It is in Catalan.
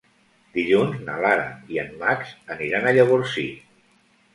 Dilluns na Lara i en Max aniran a Llavorsí.